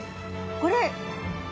これ。